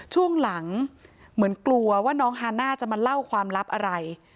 ช่วงหลังเหมือนกลัวว่าน้องฮาน่าจะมาเล่าความลับอะไร